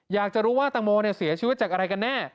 อยากจะรู้ว่าตังโมเสียชีวิตจากอะไรกันแน่